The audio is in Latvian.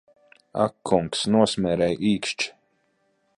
Ak kungs, nosmērēju īkšķi!